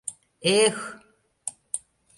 Э-эх!